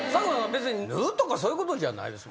別に縫うとかそういうことじゃないですもんね。